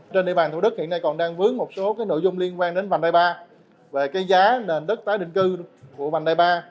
trên địa bàn thủ đức hiện nay còn đang vướng một số nội dung liên quan đến vành đai ba về cái giá nền đất tái định cư của vành đai ba